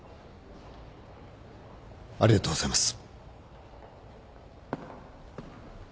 ありがとうございます